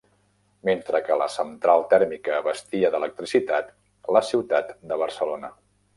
Mentre que la central tèrmica abastia d'electricitat la ciutat de Barcelona.